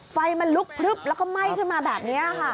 ไฟมันลุกพลึบแล้วก็ไหม้ขึ้นมาแบบนี้ค่ะ